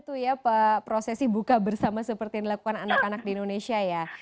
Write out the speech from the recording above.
itu ya prosesi buka bersama seperti yang dilakukan anak anak di indonesia ya